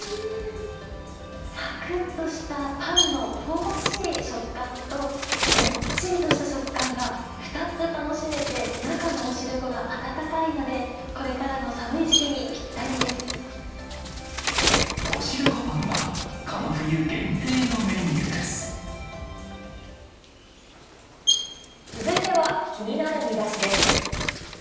さくっとしたパンの香ばしい食感と、もっちりとした食感が２つ楽しめて、中のおしるこが温かいので、これからの寒い時期にぴったりでおしるこパンは、この冬限定続いては気になるミダシです。